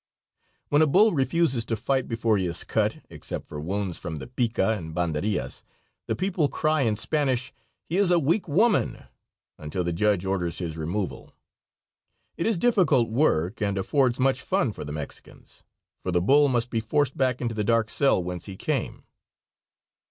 When a bull refuses to fight before he is cut, except for wounds from the pica and banderillas, the people cry in Spanish, "He is a weak woman," until the judge orders his removal. It is difficult work, and affords much fun for the Mexicans, for the bull must be forced back into the dark cell whence he came.